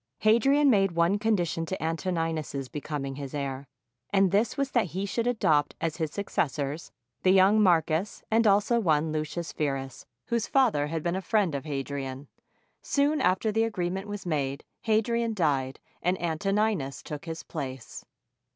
Hadrian made one condition to Antoninus's becoming his heir, and this was that he should adopt as his successors the young Marcus and also one Lucius Verus, whose father had been a friend of Hadrian. Soon after the agreement was made, Ha drian died, and Antoninus took his place.